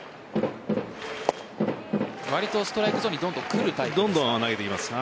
割とストライクゾーンにどんどん来るタイプですか？